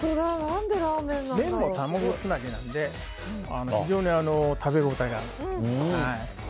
麺が卵つなぎなので非常に食べ応えがあります。